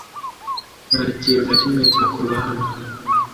Nta kintu na kimwe cyakorwa hano .